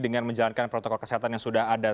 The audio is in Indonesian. dengan menjalankan protokol kesehatan yang sudah ada